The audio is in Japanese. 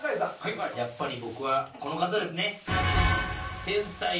やっぱり僕はこの方ですね。